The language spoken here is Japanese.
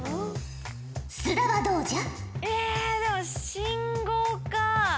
須田はどうじゃ？